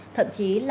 thậm chí là